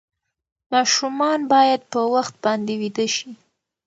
ماشومان باید په وخت باندې ویده شي.